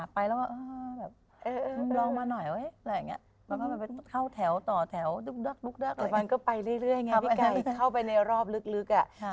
พี่ไก่เข้าไปในรอบลึกอะ